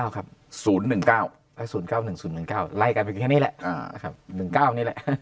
๐๑๙ครับ๐๑๙๐๙๑๐๑๙ไล่กันเป็นแค่นี้แหละ๑๙นี้แหละ